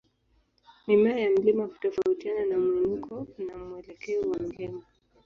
Mimea ya mlima hutofautiana na mwinuko na mwelekeo wa mlima.